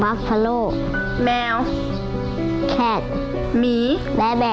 ตาตาเขาก็ชอบวาดรูปค่ะและบางทีเขาก็วาดรูปหนูค่ะแต่ไม่เหมือนเท่าไหร่